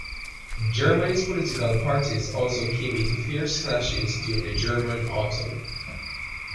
Germany's political parties also came into fierce clashes during the German Autumn.